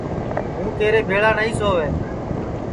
ہوں تیرے بھیݪا نائی سؤے